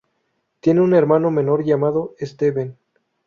Tiene un hermano menor llamado Steven.